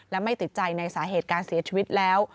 และไม่ติดใจในสาเหตุการเสียชีวิตแล้ว